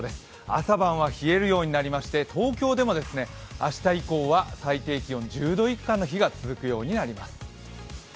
朝晩は冷えるようになりまして東京でも明日以降は最低気温１０度以下の日が続くようになります。